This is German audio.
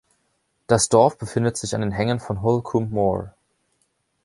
Das Dorf befindet sich an den Hängen von Holcombe Moor.